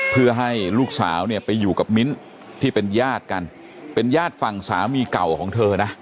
เพื่อให้ลูกสาวเนี่ยไปอยู่กับมิ้นที่เป็นญาติกันเป็นญาติฝั่งสามีเก่าของเธอนะ